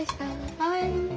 はい。